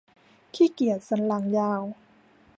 ขี้เกียจสันหลังยาว